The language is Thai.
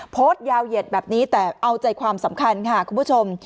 โพสต์ยาวเหยียดแบบนี้แต่เอาใจความสำคัญค่ะคุณผู้ชม